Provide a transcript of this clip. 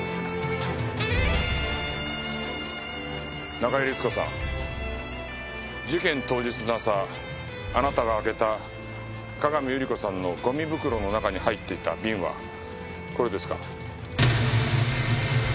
中井律子さん事件当日の朝あなたが開けた各務百合子さんのゴミ袋の中に入っていた瓶はこれですか？